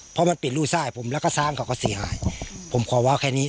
เพราะมันปิดรูซ้ายผมแล้วก็สร้างเขาก็เสียหายผมขอว่าแค่นี้